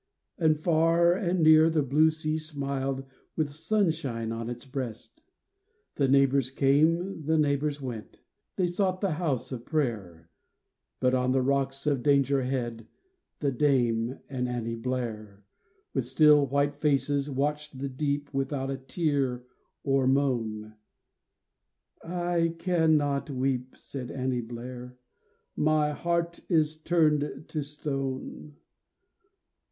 And far and near the blue sea smiled With sunshine on its breast. The neighbors came, the neighbors went ; They sought the house of prayer ; But on the rocks of Danger Head The dame and Annie Blair, With still, white faces, watched the deep Without a tear or moan. " I cannot weep," said Annie Blair —" My heart is turned to stone."